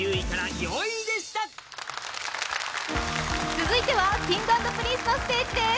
続いてはＫｉｎｇ＆Ｐｒｉｎｃｅのステージです。